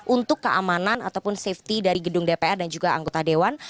untuk keamanan ataupun safety dari gedung dpr dan juga anggota dewan